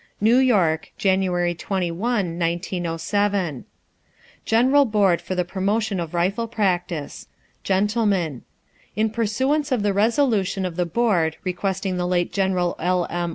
NEW YORK, January 21, 1907. NATIONAL BOARD FOR THE PROMOTION OF RIFLE PRACTICE. GENTLEMEN: In pursuance of the resolution of the board requesting the late Gen. L. M.